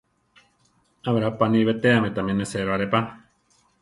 Á berá paní betéame tami nesero aré pa.